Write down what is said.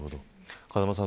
風間さん